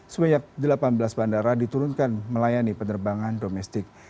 sebanyak delapan belas bandara diturunkan melayani penerbangan domestik